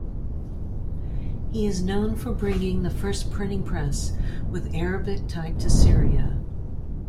He is known for bringing the first printing press with Arabic type to Syria.